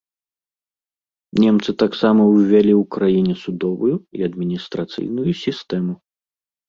Немцы таксама ўвялі ў краіне судовую і адміністрацыйную сістэму.